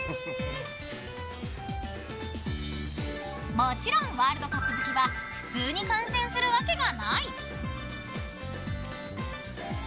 もちろんワールドカップ好きは普通に観戦するわけがない。